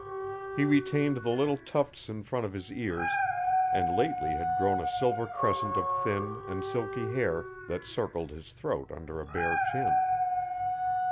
He retained the little tufts in front of his ears, and lately had grown a silver crescent of thin and silky hair that circled his throat under a bare chin.